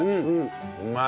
うまい！